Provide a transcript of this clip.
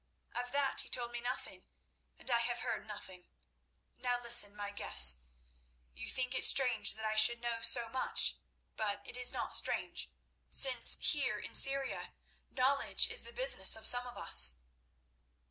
"Of that he told me nothing, and I have heard nothing. Now listen, my guests. You think it strange that I should know so much, but it is not strange, since here in Syria, knowledge is the business of some of us.